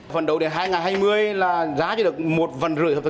phấn đấu đến hai nghìn hai mươi là giá chỉ được một năm trăm linh hợp tác xã